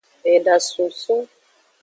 Eda sunsun.